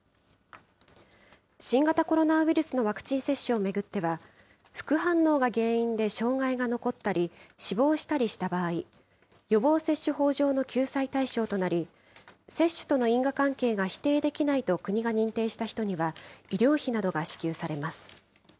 新型コロナウイルスのワクチン接種を巡っては、副反応が原因で障害が残ったり、死亡したりした場合、予防接種法上の救済対象となり、接種との因果関係が否定できないと国が認定した人には、医療費などが支給されます。